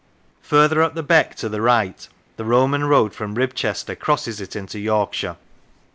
Further up the beck to the right the Roman road from Ribchester crosses it into Yorkshire.